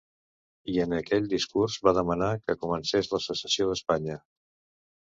I en aquell discurs va demanar que comencés la secessió d’Espanya.